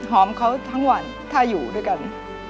หอมเขาทั้งวันถ้าอยู่ด้วยกัน